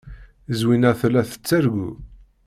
Zwina tella tettargu.